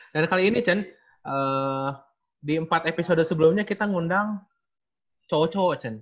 dan kali ini cen di empat episode sebelumnya kita ngundang cowok cowok cen